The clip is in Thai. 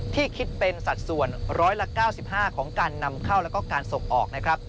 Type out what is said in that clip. ที่คิดเป็นสัดส่วนร้อยละ๙๕ของการนำเข้าและการส่งออก